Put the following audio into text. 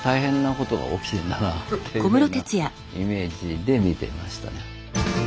っていうふうなイメージで見てましたね。